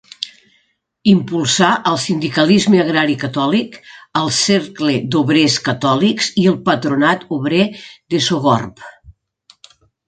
Impulsà el sindicalisme agrari catòlic, el Cercle d'Obrers Catòlics i el Patronat Obrer de Sogorb.